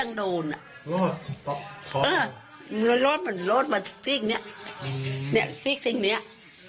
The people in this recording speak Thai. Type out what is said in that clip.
ก็จะพังซ้ายเข้ามา